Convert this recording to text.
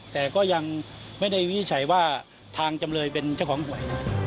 แต่ก็ยังไม่ได้วินิจฉัยว่าทางจำเลยเป็นเจ้าของหวย